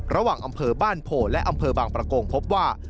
ระหว่างอำเภอบ้านโพและอำเภอบางประกงพบว่า